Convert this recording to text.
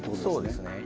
そうですね